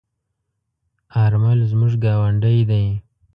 آرمل زموږ گاوندی دی.